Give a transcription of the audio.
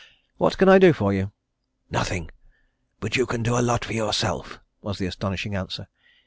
What can I do for you?" "Nothing, but you can do a lot for yourself," was the astonishing answer.